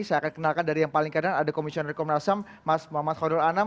saya akan kenalkan dari yang paling keadaan ada komisioner komnasem mas muhammad khadul anam